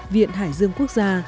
viện hải dương quốc gia